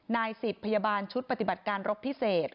นายสิทธิ์พยาบาลชุดปฏิบัติการรบพิเศษ